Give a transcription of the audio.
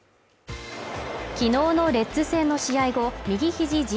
昨日のレッズ戦の試合後右ひじ